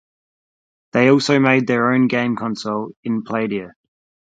They also made their own game console, the Playdia.